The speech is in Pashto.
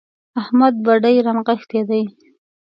احمد بډې رانغښتې دي.